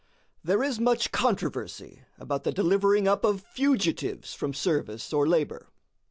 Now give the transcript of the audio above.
There is much controversy about the delivering up of fugitives from service or labor.